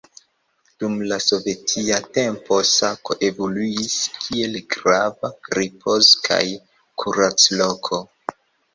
Dum la sovetia tempo Sako evoluis kiel grava ripoz- kaj kurac-loko.